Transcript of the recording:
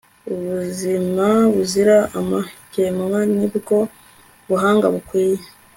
ubuzima buzira amakemwa nibwo buhanga bukwiye